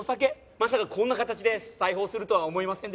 まさかこんな形で再訪するとは思いませんでしたけど。